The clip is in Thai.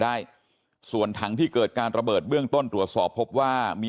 ได้ส่วนถังที่เกิดการระเบิดเบื้องต้นตรวจสอบพบว่ามี